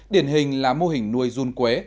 điển hình là mô hình nuôi run quế